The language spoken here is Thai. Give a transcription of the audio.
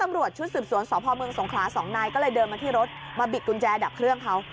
มาบิดกุญแจดับเครื่องเขา